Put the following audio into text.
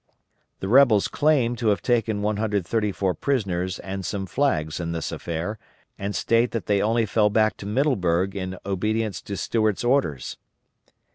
The rebels claim to have taken 134 prisoners, and some flags in this affair, and state that they only fell back to Middleburg in obedience to Stuart's orders.